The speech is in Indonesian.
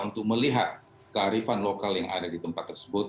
untuk melihat kearifan lokal yang ada di tempat tersebut